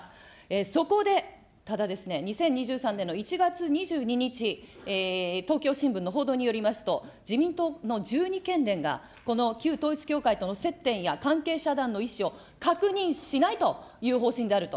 そこで、ただですね、２０２３年の１月２２日、東京新聞の報道によりますと、自民党の１２県連がこの旧統一教会との接点や関係者団の意思を確認しないという方針であると。